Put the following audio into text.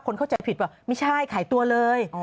เข้าใจผิดว่าไม่ใช่ขายตัวเลย